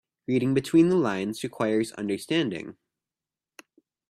Reading between the lines requires understanding.